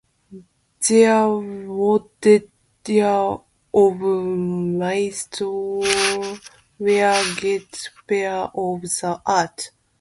The Wodeyars of Mysore were great patrons of the arts.